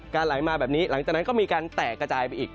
ไหลมาแบบนี้หลังจากนั้นก็มีการแตกกระจายไปอีก